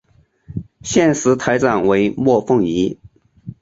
现时台长为莫凤仪。